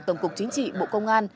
tổng cục chính trị bộ công an